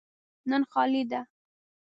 نن خالي ده.